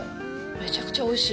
めちゃくちゃおいしい。